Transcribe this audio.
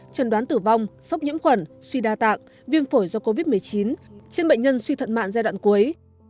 trần đoán tử vong sốc nhiễm khuẩn suy đa tạng viêm phổi do covid một mươi chín trên bệnh nhân suy thận mạng giai đoạn cuối